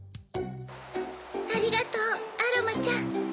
ありがとうアロマちゃん。